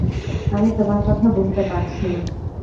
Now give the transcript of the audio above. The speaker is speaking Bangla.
আমি তোমার কথা বুঝতে পারছি!